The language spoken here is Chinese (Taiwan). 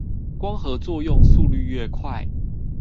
光合作用速率愈快